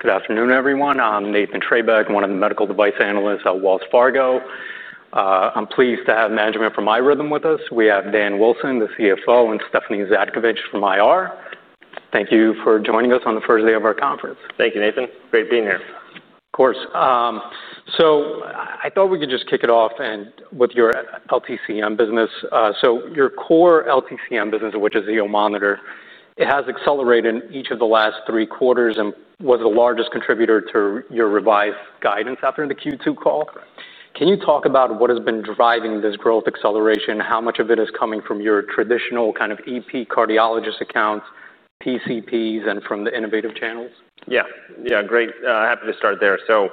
Good afternoon, everyone. I'm Nathan Treybeck, one of the medical device analysts at Wells Fargo. I'm pleased to have management from iRhythm with us. We have Dan Wilson, the CFO, and Stephanie Zhadkevich from IR. Thank you for joining us on the first day of our conference. Thank you, Nathan. Great being here. Of course. So I thought we could just kick it off with your LTCM business. So your core LTCM business, which is the Zio Monitor, has accelerated in each of the last three quarters and was the largest contributor to your revised guidance after the Q2 call. Can you talk about what has been driving this growth acceleration? How much of it is coming from your traditional kind of EP cardiologist accounts, PCPs, and from the innovative channels? Yeah. Yeah, great. Happy to start there. So,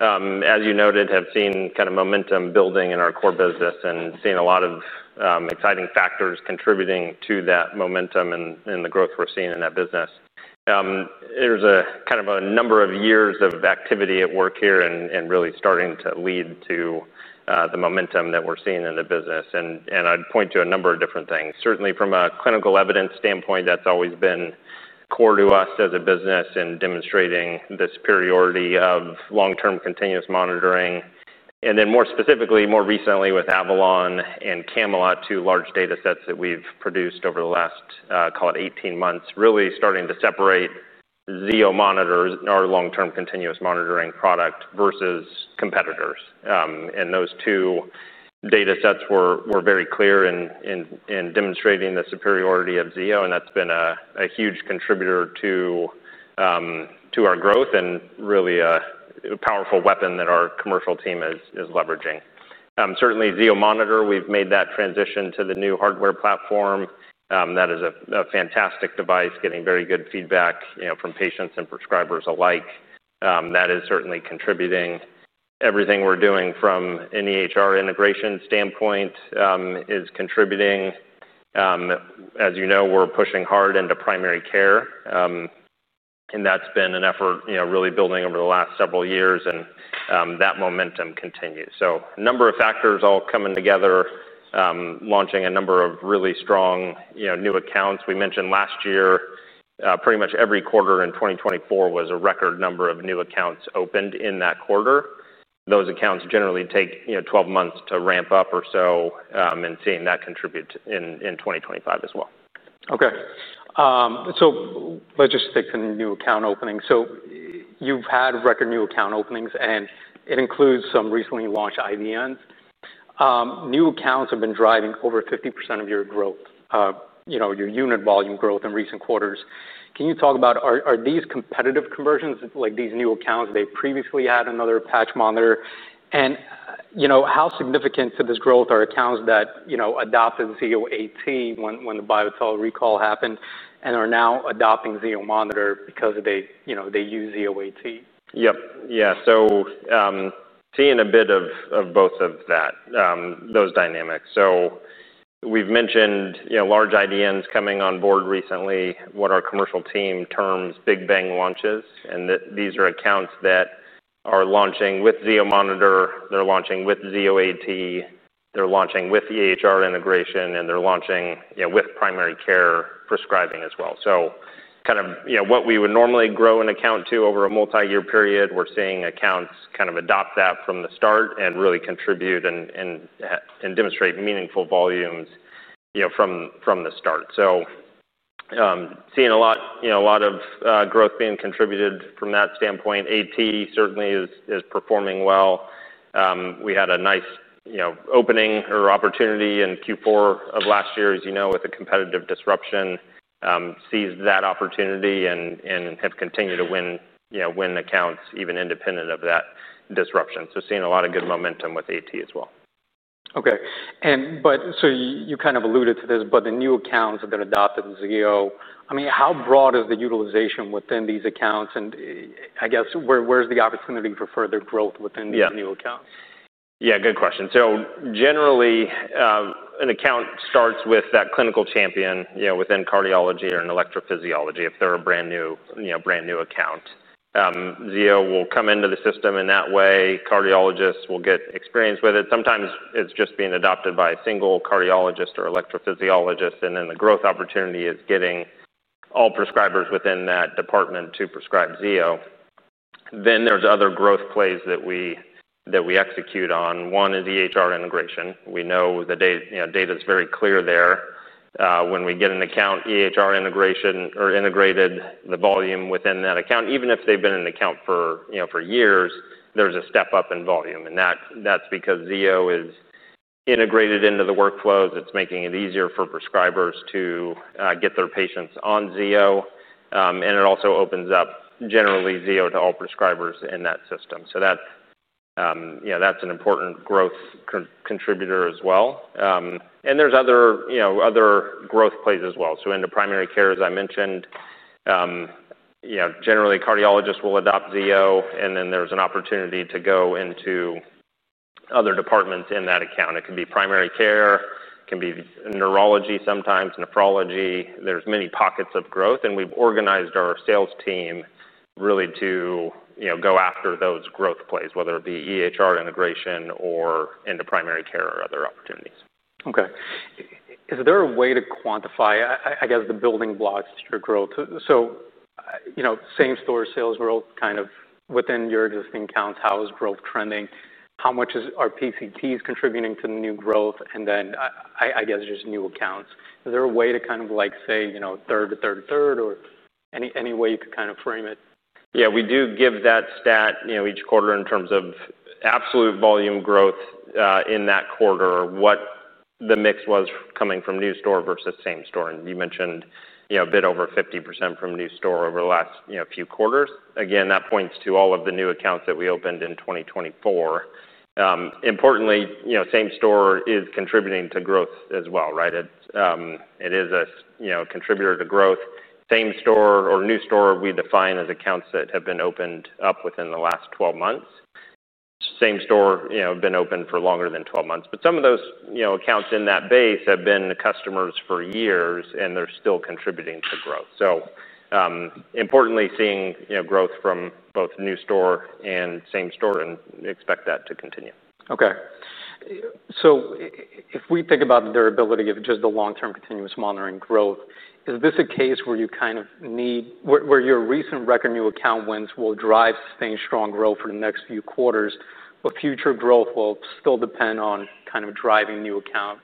as you noted, have seen kind of momentum building in our core business and seen a lot of exciting factors contributing to that momentum and the growth we're seeing in that business. There's a kind of a number of years of activity at work here and really starting to lead to the momentum that we're seeing in the business. And I'd point to a number of different things. Certainly, from a clinical evidence standpoint, that's always been core to us as a business in demonstrating the superiority of long-term continuous monitoring. And then, more specifically, more recently with AVALON and CAMELOT, two large data sets that we've produced over the last, call it, 18 months, really starting to separate the Zio Monitor, our long-term continuous monitoring product, versus competitors. And those two data sets were very clear in demonstrating the superiority of Zio, and that's been a huge contributor to our growth and really a powerful weapon that our commercial team is leveraging. Certainly, Zio Monitor, we've made that transition to the new hardware platform. That is a fantastic device, getting very good feedback from patients and prescribers alike. That is certainly contributing. Everything we're doing from any EHR integration standpoint is contributing. As you know, we're pushing hard into primary care, and that's been an effort really building over the last several years, and that momentum continues. So a number of factors all coming together, launching a number of really strong new accounts. We mentioned last year, pretty much every quarter in 2024 was a record number of new accounts opened in that quarter. Those accounts generally take 12 months to ramp up or so, and seeing that contribute in 2025 as well. Okay. So let's just stick to new account openings. So you've had record new account openings, and it includes some recently launched IDNs. New accounts have been driving over 50% of your growth, your unit volume growth in recent quarters. Can you talk about, are these competitive conversions, like these new accounts they previously had another patch monitor? And how significant to this growth are accounts that adopted Zio AT when the BioTel recall happened and are now adopting Zio Monitor because they use Zio AT? Yep. Yeah. So seeing a bit of both of that, those dynamics. So we've mentioned large IDNs coming on board recently, what our commercial team terms big bang launches. And these are accounts that are launching with Zio Monitor. They're launching with Zio AT. They're launching with EHR integration, and they're launching with primary care prescribing as well. So kind of what we would normally grow an account to over a multi-year period, we're seeing accounts kind of adopt that from the start and really contribute and demonstrate meaningful volumes from the start. So seeing a lot of growth being contributed from that standpoint. AT certainly is performing well. We had a nice opening or opportunity in Q4 of last year, as you know, with a competitive disruption, seized that opportunity and have continued to win accounts even independent of that disruption. So seeing a lot of good momentum with AT as well. Okay. But so you kind of alluded to this, but the new accounts that are adopted in Zio, I mean, how broad is the utilization within these accounts? And I guess where's the opportunity for further growth within these new accounts? Yeah. Good question, so generally, an account starts with that clinical champion within cardiology or in electrophysiology if they're a brand new account. Zio will come into the system in that way. Cardiologists will get experience with it. Sometimes it's just being adopted by a single cardiologist or electrophysiologist, and then the growth opportunity is getting all prescribers within that department to prescribe Zio, then there's other growth plays that we execute on. One is EHR integration. We know the data is very clear there. When we get an account, EHR integration or integrated the volume within that account, even if they've been an account for years, there's a step up in volume, and that's because Zio is integrated into the workflows. It's making it easier for prescribers to get their patients on Zio, and it also opens up generally Zio to all prescribers in that system. So that's an important growth contributor as well. And there's other growth plays as well. So into primary care, as I mentioned, generally cardiologists will adopt Zio, and then there's an opportunity to go into other departments in that account. It could be primary care. It can be neurology sometimes, nephrology. There's many pockets of growth, and we've organized our sales team really to go after those growth plays, whether it be EHR integration or into primary care or other opportunities. Okay. Is there a way to quantify, I guess, the building blocks to your growth? So same-store sales growth kind of within your existing accounts, how is growth trending? How much are PCPs contributing to the new growth? And then I guess just new accounts. Is there a way to kind of say third to third to third or any way you could kind of frame it? Yeah. We do give that stat each quarter in terms of absolute volume growth in that quarter, what the mix was coming from new store versus same store, and you mentioned a bit over 50% from new store over the last few quarters. Again, that points to all of the new accounts that we opened in 2024. Importantly, same store is contributing to growth as well, right? It is a contributor to growth. Same store or new store we define as accounts that have been opened up within the last 12 months. Same store has been open for longer than 12 months. But some of those accounts in that base have been customers for years, and they're still contributing to growth. So importantly, seeing growth from both new store and same store and expect that to continue. Okay, so if we think about the durability of just the long-term continuous monitoring growth, is this a case where you kind of need your recent revenue account wins will drive sustained strong growth for the next few quarters, but future growth will still depend on kind of driving new accounts?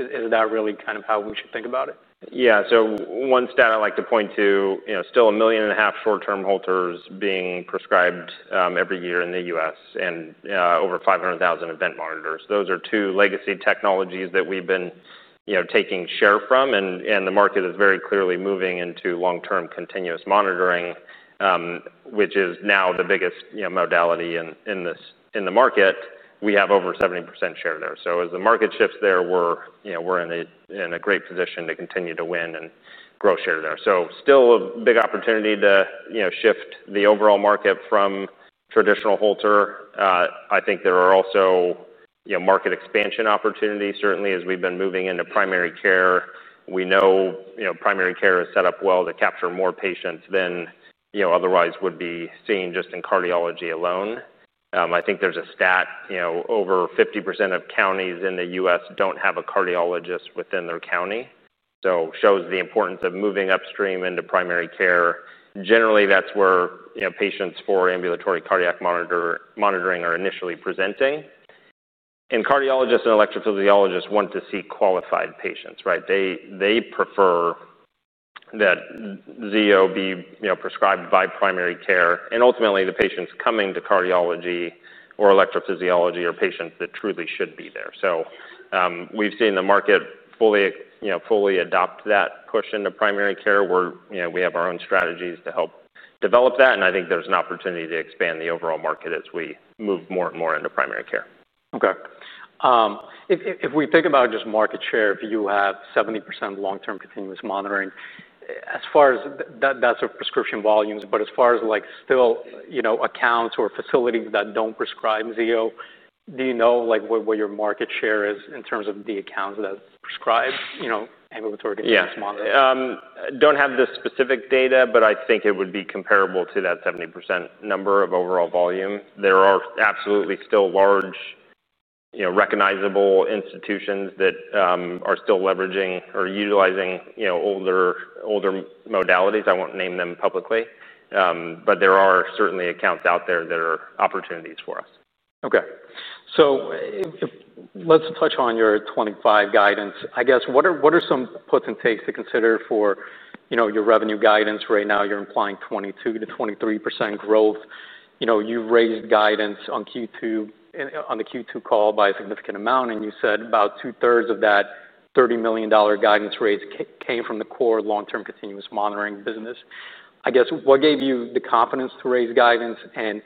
Is that really kind of how we should think about it? Yeah. One stat I'd like to point to: still 1.5 million short-term Holters being prescribed every year in the U.S. and over 500,000 event monitors. Those are two legacy technologies that we've been taking share from, and the market is very clearly moving into long-term continuous monitoring, which is now the biggest modality in the market. We have over 70% share there. As the market shifts there, we're in a great position to continue to win and grow share there. Still a big opportunity to shift the overall market from traditional Holter. I think there are also market expansion opportunities, certainly, as we've been moving into primary care. We know primary care is set up well to capture more patients than otherwise would be seen just in cardiology alone. I think there's a stat over 50% of counties in the U.S. don't have a cardiologist within their county. so it shows the importance of moving upstream into primary care. Generally, that's where patients for ambulatory cardiac monitoring are initially presenting. and cardiologists and electrophysiologists want to see qualified patients, right? They prefer that Zio be prescribed by primary care. and ultimately, the patients coming to cardiology or electrophysiology are patients that truly should be there. so we've seen the market fully adopt that push into primary care. We have our own strategies to help develop that, and I think there's an opportunity to expand the overall market as we move more and more into primary care. Okay. If we think about just market share, if you have 70% long-term continuous monitoring, as far as that's of prescription volumes, but as far as still accounts or facilities that don't prescribe Zio, do you know what your market share is in terms of the accounts that prescribe ambulatory continuous monitoring? Yeah. Don't have the specific data, but I think it would be comparable to that 70% number of overall volume. There are absolutely still large recognizable institutions that are still leveraging or utilizing older modalities. I won't name them publicly, but there are certainly accounts out there that are opportunities for us. Okay. So let's touch on your 2025 guidance. I guess what are some puts and takes to consider for your revenue guidance right now? You're implying 22%-23% growth. You've raised guidance on the Q2 call by a significant amount, and you said about two-thirds of that $30 million guidance raise came from the core long-term continuous monitoring business. I guess what gave you the confidence to raise guidance? And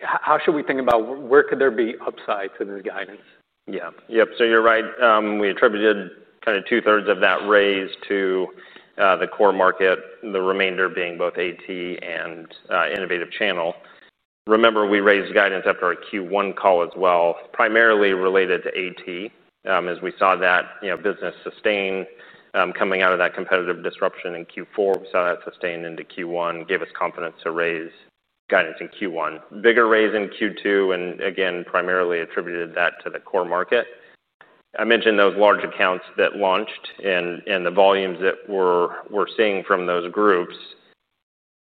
how should we think about where could there be upside to this guidance? Yeah. Yep. So you're right. We attributed kind of two-thirds of that raise to the core market, the remainder being both AT and innovative channel. Remember, we raised guidance after our Q1 call as well, primarily related to AT, as we saw that business sustain coming out of that competitive disruption in Q4. We saw that sustain into Q1 gave us confidence to raise guidance in Q1. Bigger raise in Q2, and again, primarily attributed that to the core market. I mentioned those large accounts that launched and the volumes that we're seeing from those groups.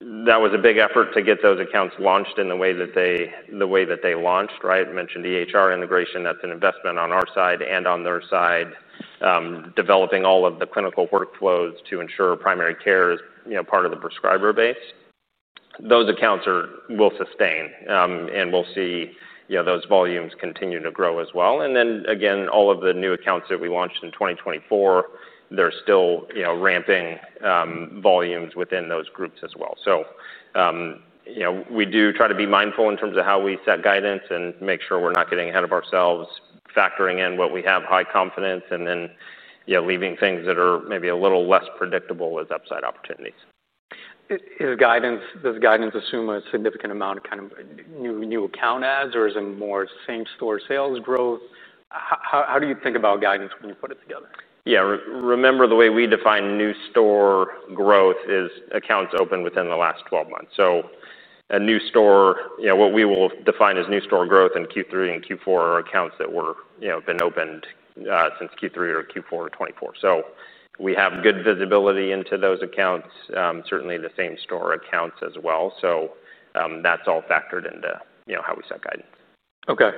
That was a big effort to get those accounts launched in the way that they launched, right? Mentioned EHR integration. That's an investment on our side and on their side, developing all of the clinical workflows to ensure primary care is part of the prescriber base. Those accounts will sustain, and we'll see those volumes continue to grow as well. And then, again, all of the new accounts that we launched in 2024, they're still ramping volumes within those groups as well. So we do try to be mindful in terms of how we set guidance and make sure we're not getting ahead of ourselves, factoring in what we have high confidence, and then leaving things that are maybe a little less predictable as upside opportunities. Does guidance assume a significant amount of kind of new account adds, or is it more same-store sales growth? How do you think about guidance when you put it together? Yeah. Remember, the way we define new store growth is accounts opened within the last 12 months. So a new store, what we will define as new store growth in Q3 and Q4 are accounts that were opened since Q3 or Q4 2024. So we have good visibility into those accounts, certainly the same-store accounts as well. So that's all factored into how we set guidance. Okay.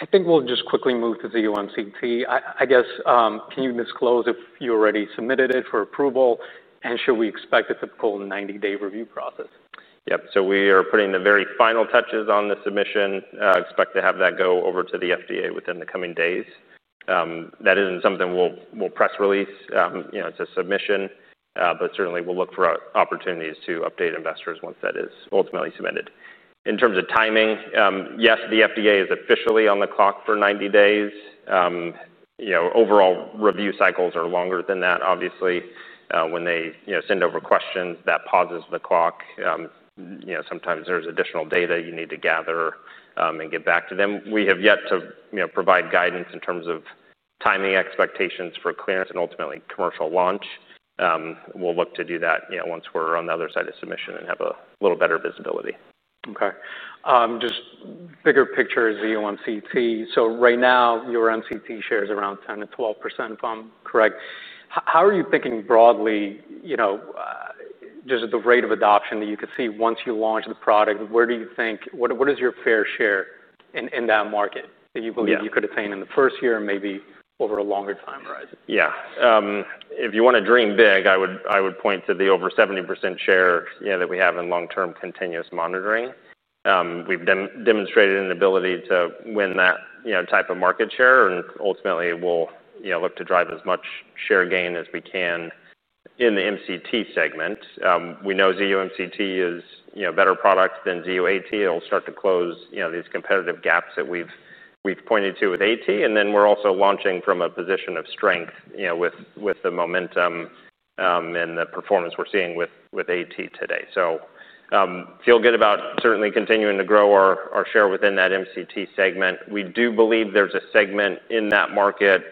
I think we'll just quickly move to the Zio MCT. I guess, can you disclose if you already submitted it for approval, and should we expect a typical 90-day review process? Yep, so we are putting the very final touches on the submission. Expect to have that go over to the FDA within the coming days. That isn't something we'll press release to submission, but certainly we'll look for opportunities to update investors once that is ultimately submitted. In terms of timing, yes, the FDA is officially on the clock for 90 days. Overall review cycles are longer than that, obviously. When they send over questions, that pauses the clock. Sometimes there's additional data you need to gather and get back to them. We have yet to provide guidance in terms of timing expectations for clearance and ultimately commercial launch. We'll look to do that once we're on the other side of submission and have a little better visibility. Okay. Just bigger picture Zio MCT. So right now, your MCT share is around 10%-12%, if I'm correct. How are you thinking broadly? Just at the rate of adoption that you could see once you launch the product, where do you think what is your fair share in that market that you believe you could attain in the first year and maybe over a longer time horizon? Yeah. If you want to dream big, I would point to the over 70% share that we have in long-term continuous monitoring. We've demonstrated an ability to win that type of market share, and ultimately we'll look to drive as much share gain as we can in the MCT segment. We know Zio MCT is a better product than Zio AT. It'll start to close these competitive gaps that we've pointed to with AT. And then we're also launching from a position of strength with the momentum and the performance we're seeing with AT today. So feel good about certainly continuing to grow our share within that MCT segment. We do believe there's a segment in that market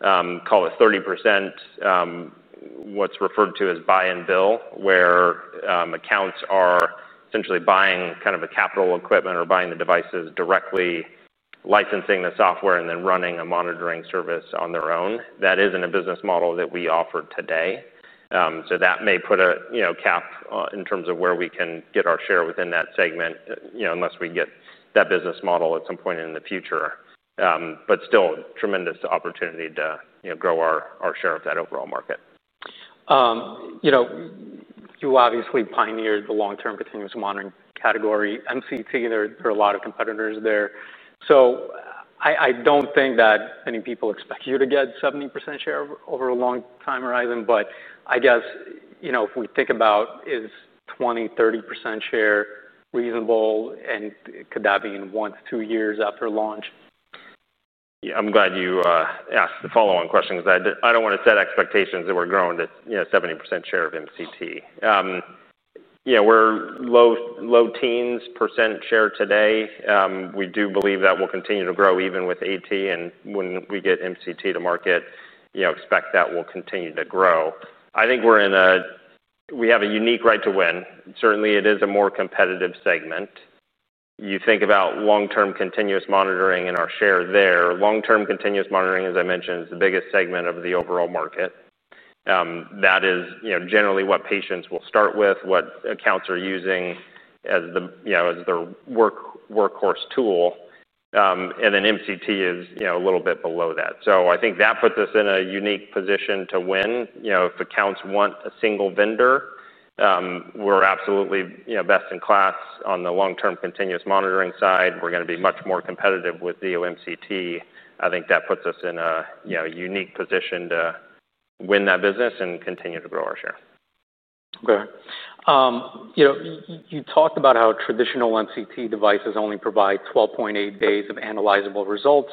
called a 30% what's referred to as buy-and-bill, where accounts are essentially buying kind of the capital equipment or buying the devices directly, licensing the software, and then running a monitoring service on their own. That isn't a business model that we offer today. So that may put a cap in terms of where we can get our share within that segment unless we get that business model at some point in the future. But still, tremendous opportunity to grow our share of that overall market. You obviously pioneered the long-term continuous monitoring category MCT. There are a lot of competitors there. So I don't think that many people expect you to get 70% share over a long time horizon, but I guess if we think about, is 20%-30% share reasonable, and could that be in one to two years after launch? Yeah. I'm glad you asked the follow-on question because I don't want to set expectations that we're growing to 70% share of MCT. Yeah. We're low teens% share today. We do believe that we'll continue to grow even with AT, and when we get MCT to market, expect that we'll continue to grow. I think we have a unique right to win. Certainly, it is a more competitive segment. You think about long-term continuous monitoring and our share there. Long-term continuous monitoring, as I mentioned, is the biggest segment of the overall market. That is generally what patients will start with, what accounts are using as their workhorse tool, and then MCT is a little bit below that. So I think that puts us in a unique position to win. If accounts want a single vendor, we're absolutely best in class on the long-term continuous monitoring side. We're going to be much more competitive with Zio MCT. I think that puts us in a unique position to win that business and continue to grow our share. Okay. You talked about how traditional MCT devices only provide 12.8 days of analyzable results,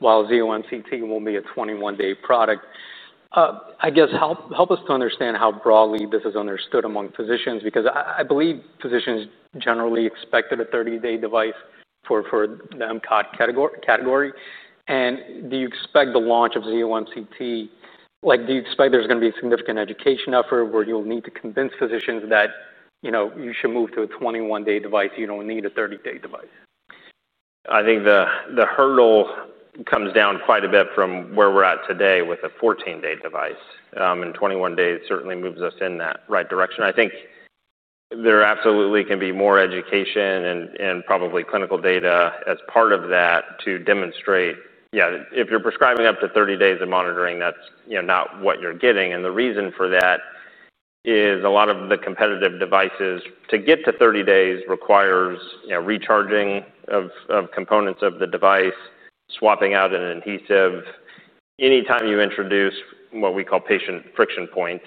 while Zio MCT will be a 21-day product. I guess help us to understand how broadly this is understood among physicians because I believe physicians generally expect a 30-day device for the MCT category. And do you expect the launch of Zio MCT? Do you expect there's going to be a significant education effort where you'll need to convince physicians that you should move to a 21-day device, you don't need a 30-day device? I think the hurdle comes down quite a bit from where we're at today with a 14-day device. And 21 days certainly moves us in that right direction. I think there absolutely can be more education and probably clinical data as part of that to demonstrate, yeah, if you're prescribing up to 30 days of monitoring, that's not what you're getting. And the reason for that is a lot of the competitive devices, to get to 30 days requires recharging of components of the device, swapping out an adhesive. Anytime you introduce what we call patient friction points,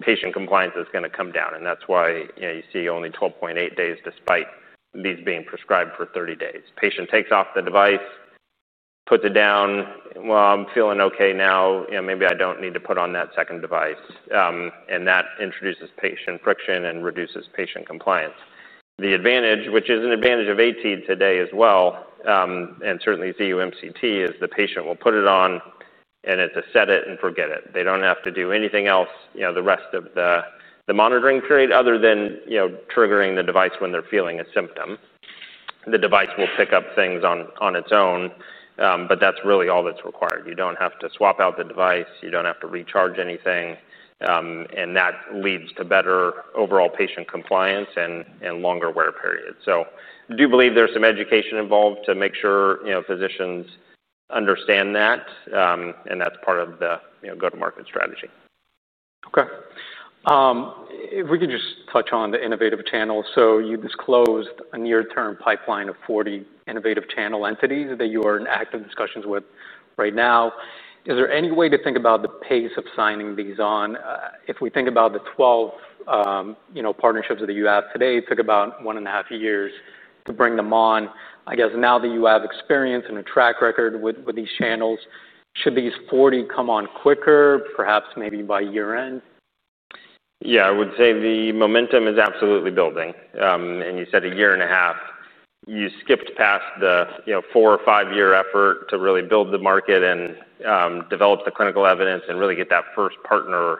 patient compliance is going to come down. And that's why you see only 12.8 days despite these being prescribed for 30 days. Patient takes off the device, puts it down, "Well, I'm feeling okay now, maybe I don't need to put on that second device," and that introduces patient friction and reduces patient compliance. The advantage, which is an advantage of AT today as well, and certainly Zio MCT, is the patient will put it on, and it's a set it and forget it. They don't have to do anything else, the rest of the monitoring period, other than triggering the device when they're feeling a symptom. The device will pick up things on its own, but that's really all that's required. You don't have to swap out the device. You don't have to recharge anything. And that leads to better overall patient compliance and longer wear periods. So I do believe there's some education involved to make sure physicians understand that, and that's part of the go-to-market strategy. Okay. If we could just touch on the innovative channels. So you disclosed a near-term pipeline of 40 innovative channel entities that you are in active discussions with right now. Is there any way to think about the pace of signing these on? If we think about the 12 partnerships that you have today, think about one and a half years to bring them on. I guess now that you have experience and a track record with these channels, should these 40 come on quicker, perhaps maybe by year-end? Yeah. I would say the momentum is absolutely building. And you said a year and a half, you skipped past the four or five-year effort to really build the market and develop the clinical evidence and really get that first partner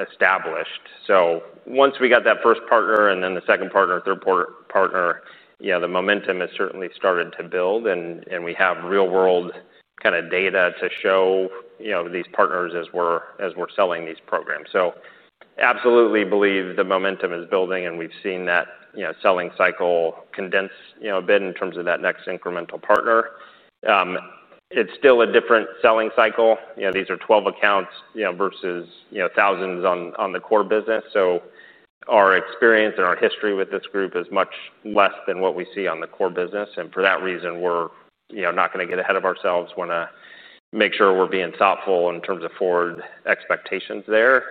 established. So once we got that first partner and then the second partner, third partner, the momentum has certainly started to build, and we have real-world kind of data to show these partners as we're selling these programs. So absolutely believe the momentum is building, and we've seen that selling cycle condense a bit in terms of that next incremental partner. It's still a different selling cycle. These are 12 accounts versus thousands on the core business. So our experience and our history with this group is much less than what we see on the core business. And for that reason, we're not going to get ahead of ourselves. We want to make sure we're being thoughtful in terms of forward expectations there.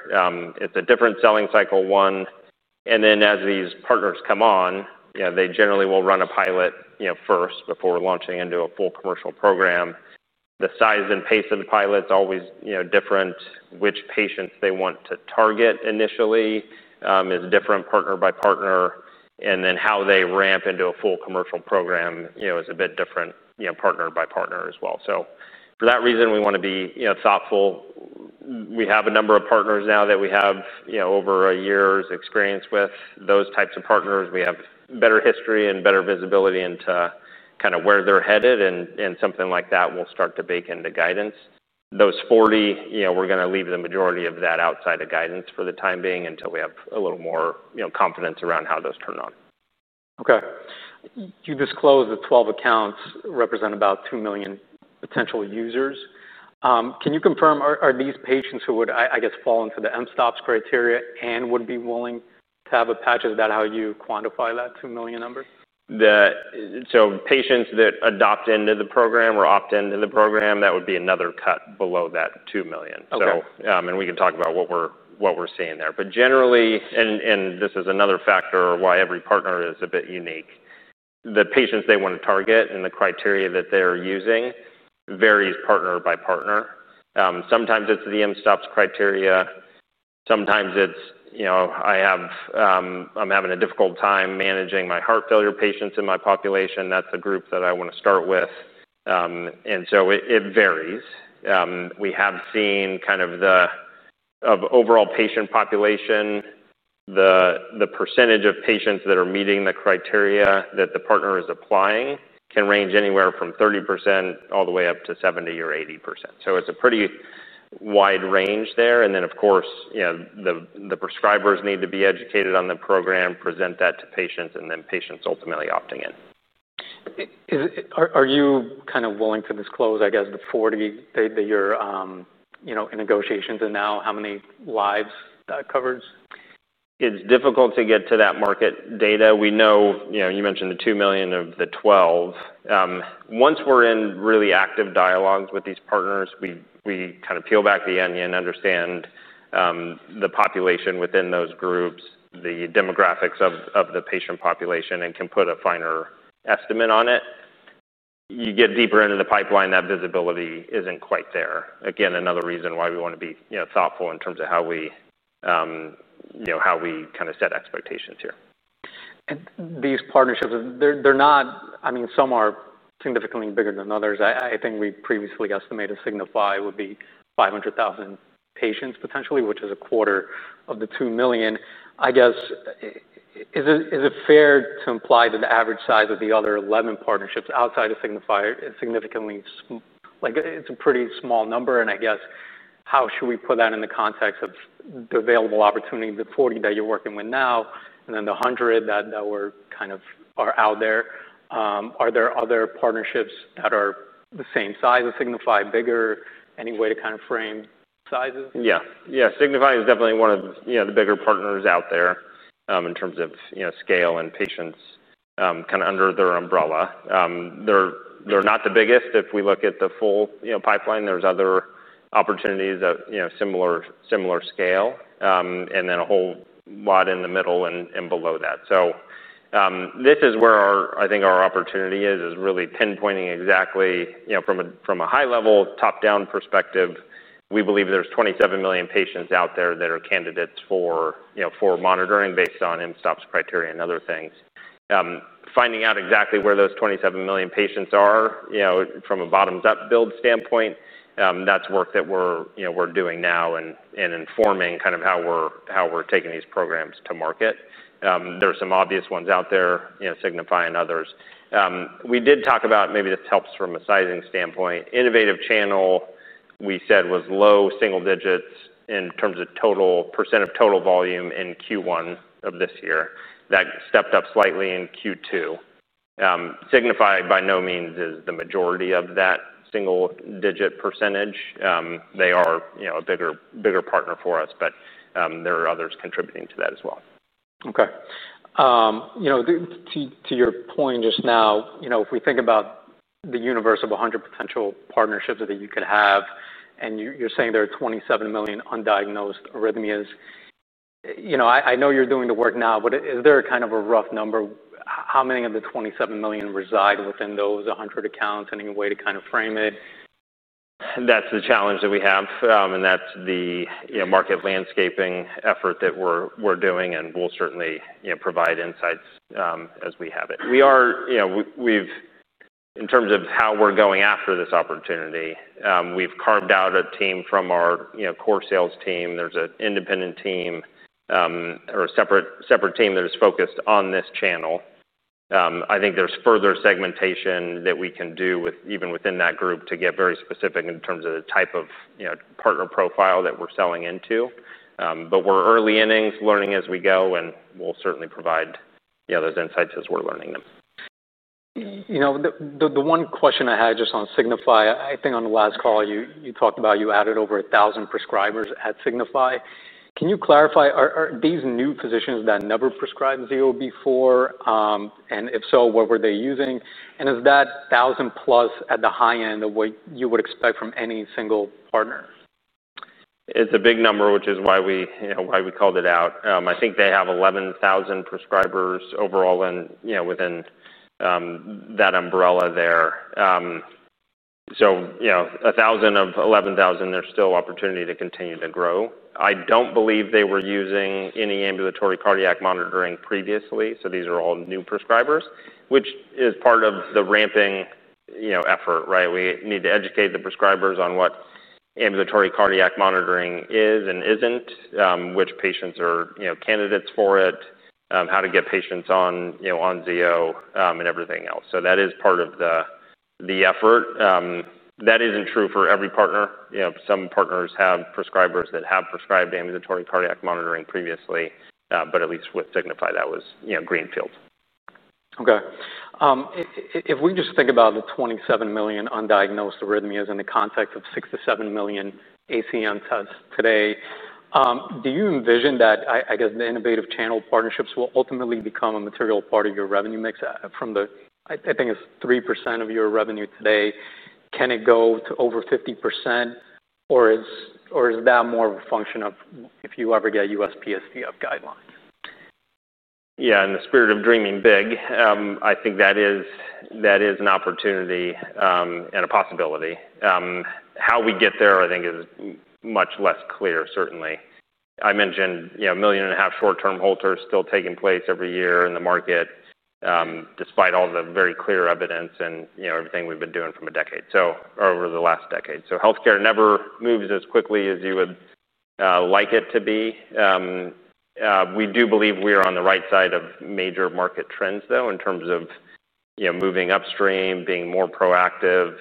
It's a different selling cycle. One, and then as these partners come on, they generally will run a pilot first before launching into a full commercial program. The size and pace of the pilot is always different. Which patients they want to target initially is different partner by partner, and then how they ramp into a full commercial program is a bit different partner by partner as well, so for that reason, we want to be thoughtful. We have a number of partners now that we have over a year's experience with those types of partners. We have better history and better visibility into kind of where they're headed, and something like that will start to bake into guidance. Those 40, we're going to leave the majority of that outside of guidance for the time being until we have a little more confidence around how those turn on. Okay. You disclosed the 12 accounts represent about two million potential users. Can you confirm, are these patients who would, I guess, fall into the mSToPS criteria and would be willing to have a patch? Is that how you quantify that two million number? So patients that adopt into the program or opt into the program, that would be another cut below that 2 million. And we can talk about what we're seeing there. But generally, and this is another factor why every partner is a bit unique, the patients they want to target and the criteria that they're using varies partner by partner. Sometimes it's the mSToPS criteria. Sometimes it's, "I'm having a difficult time managing my heart failure patients in my population. That's the group that I want to start with." And so it varies. We have seen kind of the overall patient population, the percentage of patients that are meeting the criteria that the partner is applying can range anywhere from 30% all the way up to 70% or 80%. So it's a pretty wide range there. Then, of course, the prescribers need to be educated on the program, present that to patients, and then patients ultimately opting in. Are you kind of willing to disclose, I guess, the 40 that you're in negotiations and now how many lives that covers? It's difficult to get to that market data. We know you mentioned the two million of the 12. Once we're in really active dialogues with these partners, we kind of peel back the onion and understand the population within those groups, the demographics of the patient population, and can put a finer estimate on it. You get deeper into the pipeline, that visibility isn't quite there. Again, another reason why we want to be thoughtful in terms of how we kind of set expectations here. These partnerships, they're not. I mean, some are significantly bigger than others. I think we previously estimated Signify would be 500,000 patients potentially, which is a quarter of the 2 million. I guess, is it fair to imply that the average size of the other 11 partnerships outside of Signify is significantly. It's a pretty small number. I guess, how should we put that in the context of the available opportunity, the 40 that you're working with now, and then the 100 that are kind of out there? Are there other partnerships that are the same size as Signify, bigger, any way to kind of frame sizes? Yeah. Yeah. Signify is definitely one of the bigger partners out there in terms of scale and patients kind of under their umbrella. They're not the biggest. If we look at the full pipeline, there's other opportunities of similar scale, and then a whole lot in the middle and below that. This is where I think our opportunity is, is really pinpointing exactly from a high-level top-down perspective. We believe there's 27 million patients out there that are candidates for monitoring based on mSToPS criteria and other things. Finding out exactly where those 27 million patients are from a bottoms-up build standpoint, that's work that we're doing now and informing kind of how we're taking these programs to market. There are some obvious ones out there, Signify and others. We did talk about, maybe this helps from a sizing standpoint, innovative channel, we said was low single digits in terms of total percent of total volume in Q1 of this year. That stepped up slightly in Q2. Signify by no means is the majority of that single-digit percentage. They are a bigger partner for us, but there are others contributing to that as well. Okay. To your point just now, if we think about the universe of 100 potential partnerships that you could have, and you're saying there are 27 million undiagnosed arrhythmias, I know you're doing the work now, but is there kind of a rough number? How many of the 27 million reside within those 100 accounts? Any way to kind of frame it? That's the challenge that we have, and that's the market landscaping effort that we're doing, and we'll certainly provide insights as we have it. We are, in terms of how we're going after this opportunity, we've carved out a team from our core sales team. There's an independent team or a separate team that is focused on this channel. I think there's further segmentation that we can do even within that group to get very specific in terms of the type of partner profile that we're selling into. But we're early innings, learning as we go, and we'll certainly provide those insights as we're learning them. The one question I had just on Signify, I think on the last call, you talked about you added over 1,000 prescribers at Signify. Can you clarify, are these new physicians that never prescribed Zio before, and if so, what were they using? And is that 1,000+ at the high end of what you would expect from any single partner? It's a big number, which is why we called it out. I think they have 11,000 prescribers overall within that umbrella there. So 1,000 of 11,000, there's still opportunity to continue to grow. I don't believe they were using any ambulatory cardiac monitoring previously. So these are all new prescribers, which is part of the ramping effort, right? We need to educate the prescribers on what ambulatory cardiac monitoring is and isn't, which patients are candidates for it, how to get patients on Zio, and everything else. So that is part of the effort. That isn't true for every partner. Some partners have prescribers that have prescribed ambulatory cardiac monitoring previously, but at least with Signify, that was greenfield. Okay. If we just think about the 27 million undiagnosed arrhythmias in the context of 6 million-7 million ACM tests today, do you envision that, I guess, the innovative channel partnerships will ultimately become a material part of your revenue mix from the, I think it's 3% of your revenue today? Can it go to over 50%, or is that more of a function of if you ever get USPSTF guidelines? Yeah. In the spirit of dreaming big, I think that is an opportunity and a possibility. How we get there, I think, is much less clear, certainly. I mentioned 1.5 million short-term Holters still taking place every year in the market, despite all the very clear evidence and everything we've been doing for a decade, so over the last decade. So healthcare never moves as quickly as you would like it to be. We do believe we are on the right side of major market trends, though, in terms of moving upstream, being more proactive,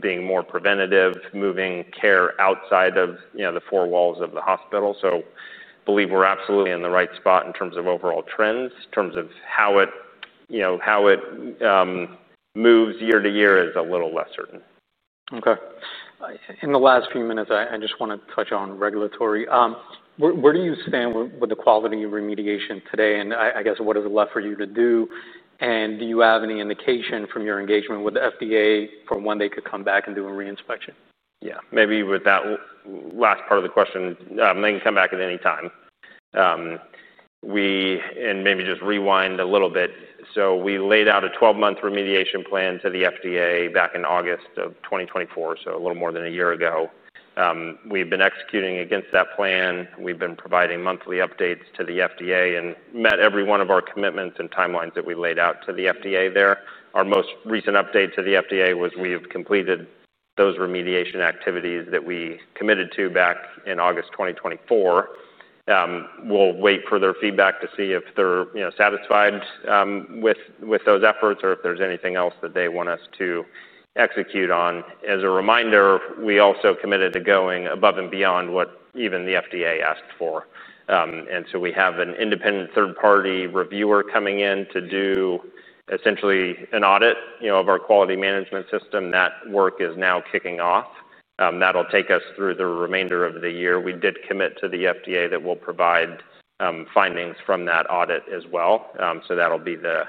being more preventative, moving care outside of the four walls of the hospital. So I believe we're absolutely in the right spot in terms of overall trends. In terms of how it moves year to year is a little less certain. Okay. In the last few minutes, I just want to touch on regulatory. Where do you stand with the quality of remediation today? And I guess, what is left for you to do? And do you have any indication from your engagement with the FDA for when they could come back and do a reinspection? Yeah. Maybe with that last part of the question, they can come back at any time, and maybe just rewind a little bit, so we laid out a 12-month remediation plan to the FDA back in August of 2024, so a little more than a year ago. We've been executing against that plan. We've been providing monthly updates to the FDA and met every one of our commitments and timelines that we laid out to the FDA there. Our most recent update to the FDA was we have completed those remediation activities that we committed to back in August 2024. We'll wait for their feedback to see if they're satisfied with those efforts or if there's anything else that they want us to execute on. As a reminder, we also committed to going above and beyond what even the FDA asked for. And so we have an independent third-party reviewer coming in to do essentially an audit of our quality management system. That work is now kicking off. That'll take us through the remainder of the year. We did commit to the FDA that we'll provide findings from that audit as well. So that'll be the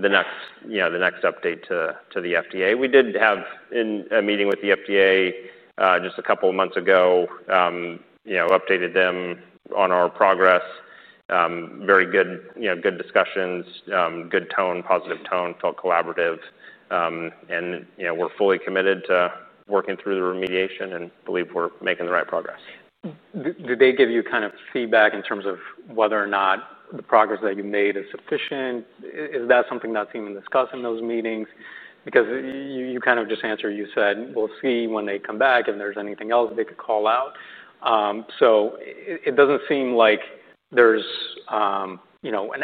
next update to the FDA. We did have a meeting with the FDA just a couple of months ago, updated them on our progress. Very good discussions, good tone, positive tone, felt collaborative. And we're fully committed to working through the remediation and believe we're making the right progress. Did they give you kind of feedback in terms of whether or not the progress that you made is sufficient? Is that something that's even discussed in those meetings? Because you kind of just answered, you said, "We'll see when they come back if there's anything else they could call out." So it doesn't seem like there's an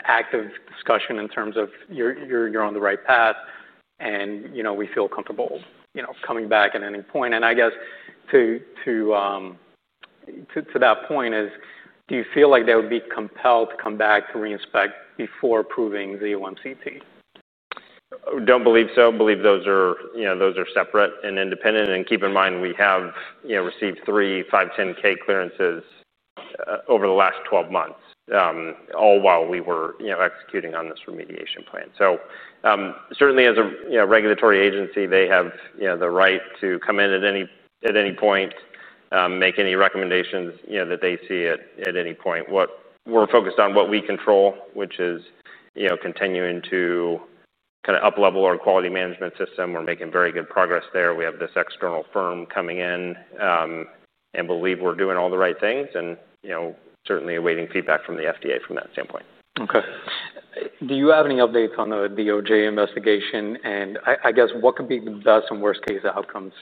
active discussion in terms of you're on the right path, and we feel comfortable coming back at any point. And I guess to that point is, do you feel like they would be compelled to come back to reinspect before approving Zio MCT? Don't believe so. Believe those are separate and independent. And keep in mind, we have received three 510(k) clearances over the last 12 months, all while we were executing on this remediation plan. So certainly, as a regulatory agency, they have the right to come in at any point, make any recommendations that they see at any point. We're focused on what we control, which is continuing to kind of uplevel our quality management system. We're making very good progress there. We have this external firm coming in, and believe we're doing all the right things, and certainly awaiting feedback from the FDA from that standpoint. Okay. Do you have any updates on the DOJ investigation? And I guess, what could be the best and worst-case outcomes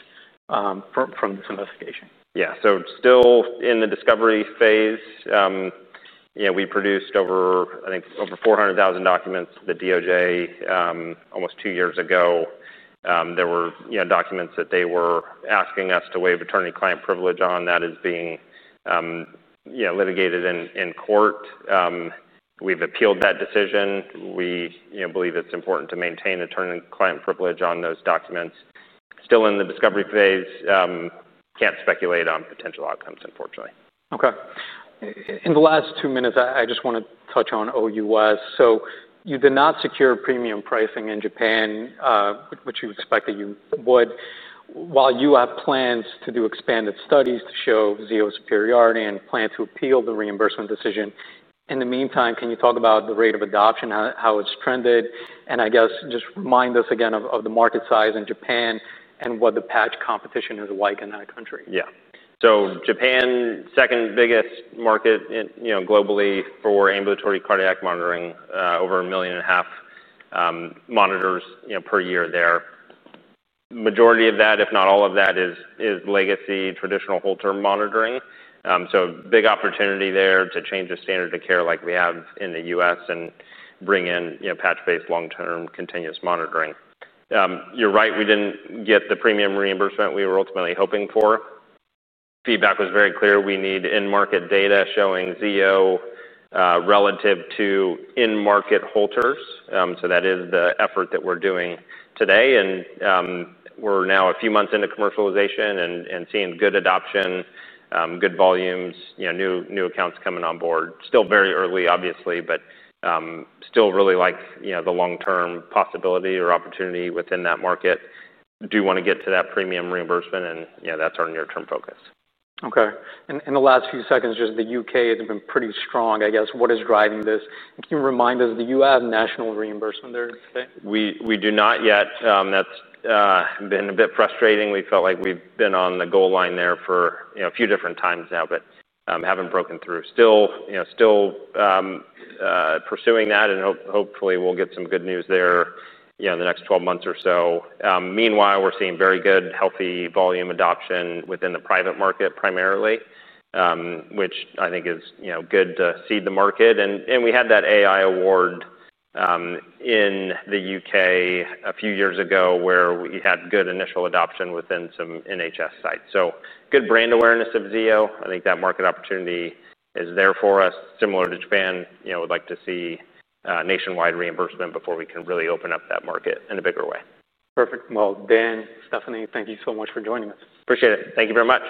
from this investigation? Yeah. So still in the discovery phase, we produced, I think, over 400,000 documents to the DOJ almost two years ago. There were documents that they were asking us to waive attorney-client privilege on, that is being litigated in court. We've appealed that decision. We believe it's important to maintain attorney-client privilege on those documents. Still in the discovery phase. Can't speculate on potential outcomes, unfortunately. Okay. In the last two minutes, I just want to touch on OUS. So you did not secure premium pricing in Japan, which you expected you would. While you have plans to do expanded studies to show Zio superiority and plan to appeal the reimbursement decision, in the meantime, can you talk about the rate of adoption, how it's trended? And I guess, just remind us again of the market size in Japan and what the patch competition is like in that country. Yeah. Japan is the second biggest market globally for ambulatory cardiac monitoring, over 1.5 million monitors per year there. Majority of that, if not all of that, is legacy, traditional Holter monitoring. There is a big opportunity there to change the standard of care like we have in the U.S. and bring in patch-based long-term continuous monitoring. You are right. We did not get the premium reimbursement we were ultimately hoping for. Feedback was very clear. We need in-market data showing Zio relative to in-market Holters. That is the effort that we are doing today. We are now a few months into commercialization and seeing good adoption, good volumes, new accounts coming on board. It is still very early, obviously, but we still really like the long-term possibility or opportunity within that market. We do want to get to that premium reimbursement, and that is our near-term focus. Okay. In the last few seconds, just the U.K. has been pretty strong. I guess, what is driving this? Can you remind us, do you have national reimbursement there today? We do not yet. That's been a bit frustrating. We felt like we've been on the goal line there for a few different times now, but haven't broken through. Still pursuing that, and hopefully, we'll get some good news there in the next 12 months or so. Meanwhile, we're seeing very good, healthy volume adoption within the private market primarily, which I think is good to seed the market. And we had that AI award in the U.K. a few years ago where we had good initial adoption within some NHS sites. So good brand awareness of Zio. I think that market opportunity is there for us. Similar to Japan, we'd like to see nationwide reimbursement before we can really open up that market in a bigger way. Perfect. Well, Dan, Stephanie, thank you so much for joining us. Appreciate it. Thank you very much.